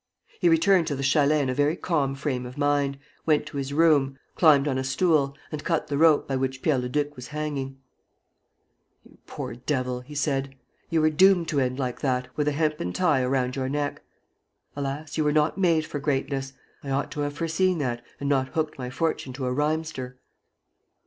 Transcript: He returned to the chalet in a very calm frame of mind, went to his room, climbed on a stool, and cut the rope by which Pierre Leduc was hanging: "You poor devil!" he said. "You were doomed to end like that, with a hempen tie around your neck. Alas, you were not made for greatness: I ought to have foreseen that and not hooked my fortune to a rhymester!"